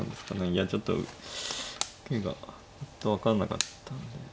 いやちょっと受けが分かんなかったんで。